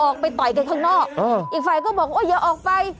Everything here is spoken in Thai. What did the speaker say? ไปต่อยกันข้างนอกอีกฝ่ายก็บอกว่าอย่าออกไป